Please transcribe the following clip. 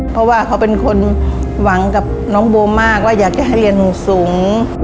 เพราะว่าเขาเป็นคนหวังกับน้องโบมากว่าอยากจะให้เรียนสูง